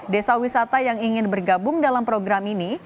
desa wisata yang ingin bergabung dalam program ini